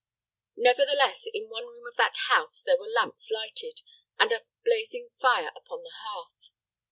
Nevertheless, in one room of that house there were lamps lighted, and a blazing fire upon the hearth.